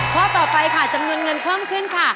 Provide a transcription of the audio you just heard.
ข้อต่อไปค่ะจำนวนเงินเพิ่มขึ้นค่ะ